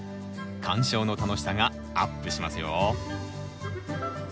観賞の楽しさがアップしますよ！